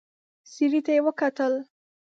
سړي ته يې وکتل.